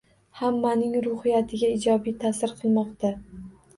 Hammaning ruhiyatiga ijobiy taʼsir qilmoqda